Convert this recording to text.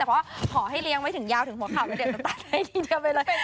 แต่เพราะว่าขอให้เลี้ยงไว้ถึงยาวถึงหัวข่าวเหมือนเดี๋ยวต้องตัดให้นิดเดียวไปเลย